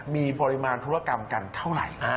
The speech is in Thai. มีปริมาณธุรกรรมกันเท่าไหร่